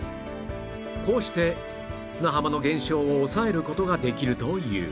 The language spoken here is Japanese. こうして砂浜の減少を抑える事ができるという